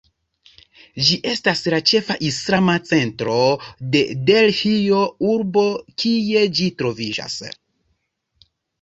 Ĝi estas la ĉefa islama centro de Delhio, urbo kie ĝi troviĝas.